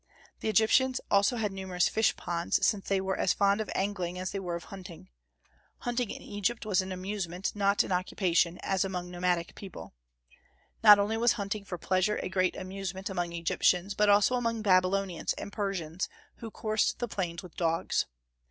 The Egyptians also had numerous fish ponds, since they were as fond of angling as they were of hunting. Hunting in Egypt was an amusement, not an occupation as among nomadic people. Not only was hunting for pleasure a great amusement among Egyptians, but also among Babylonians and Persians, who coursed the plains with dogs.